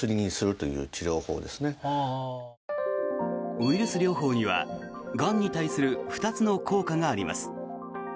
ウイルス療法にはがんに対する２つの効果があります。